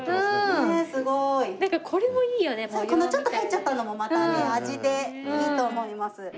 ちょっと入っちゃったのもまたね味でいいと思います。